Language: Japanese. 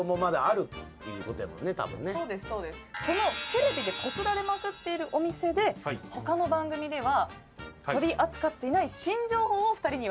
テレビでこすられまくっているお店で他の番組では取り扱っていない新情報を２人には。